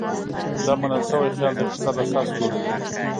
دا منل شوی خیال د اقتصاد اساس جوړوي.